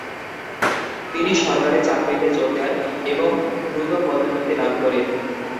তিনি সরকারি চাকরিতে যোগ দেন এবং দ্রুত পদোন্নতি লাভ করে।